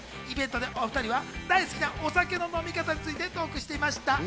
お２人は大好きなお酒の飲み方についてトークしていました。